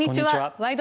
「ワイド！